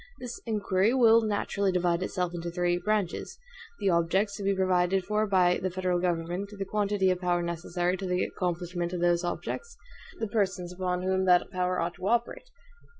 This inquiry will naturally divide itself into three branches the objects to be provided for by the federal government, the quantity of power necessary to the accomplishment of those objects, the persons upon whom that power ought to operate.